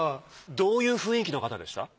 どういう雰囲気の方でした？